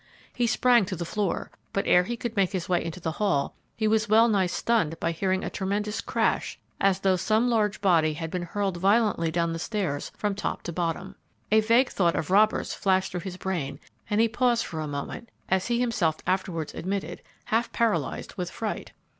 He sprang to the floor, but ere he could make his way into the hall he was well nigh stunned by hearing a tremendous crash, as though some large body had been hurled violently down the stairs from top to bottom. A vague thought of robbers flashed through his brain, and he paused for a moment, as he himself afterwards admitted, half paralyzed with fright.